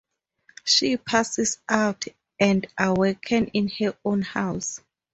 She passes out and awakens in her own house.